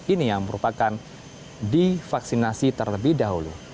ini yang merupakan divaksinasi terlebih dahulu